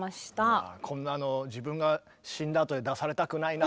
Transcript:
こんなの自分が死んだあとに出されたくないな。